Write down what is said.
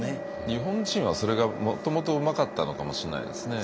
日本人はそれがもともとうまかったのかもしれないですね。